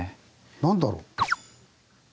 何だろう？